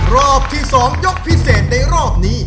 รอบที่๒ยกพิเศษในรอบนี้